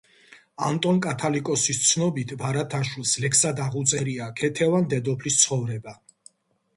ანტონ კათალიკოსის ცნობით, ბარათაშვილს ლექსად აღუწერია ქეთევან დედოფლის ცხოვრება.